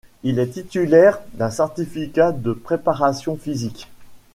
Il est titulaire d'un certificat de préparation physique.